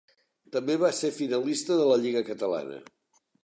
També va ser finalista de la Lliga catalana.